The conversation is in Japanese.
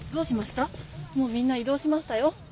もうみんないどうしましたよ。